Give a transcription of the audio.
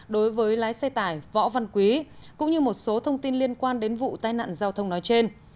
đối với lái xe tải võ văn quý cũng như một số thông tin liên quan đến vụ tai nạn giao thông nói trên